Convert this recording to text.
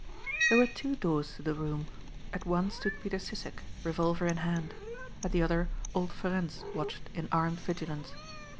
There were two doors to the room. At one stood Peter Sissek, revolver in hand. At the other old Ferencz watched in armed vigilance.